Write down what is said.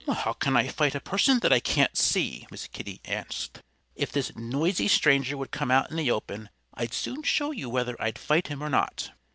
"How can I fight a person that I can't see?" Miss Kitty asked. "If this noisy stranger would come out in the open I'd soon show you whether I'd fight him or not.